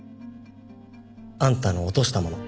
あんたの落としたもの。